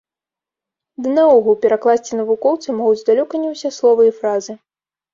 Ды наогул, перакласці навукоўцы могуць далёка не ўсе словы і фразы.